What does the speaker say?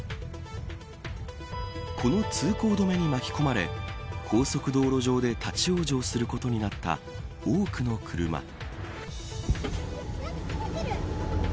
この通行止めに巻き込まれ高速道路上で立ち往生することになった多くの車。